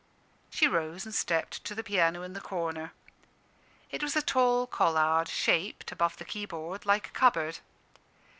She rose and stepped to the piano in the corner. It was a tall Collard, shaped, above the key board, like a cupboard.